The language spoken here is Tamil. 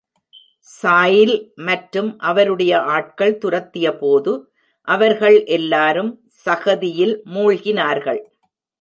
சாய்ல் மற்றும் அவருடைய ஆட்கள் துரத்தியபோது, அவர்கள் எல்லாரும் சகதியில் மூழ்கினார்கள்.